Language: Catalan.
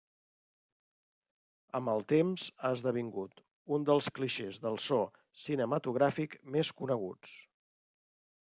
Amb el temps ha esdevingut un dels clixés del so cinematogràfic més coneguts.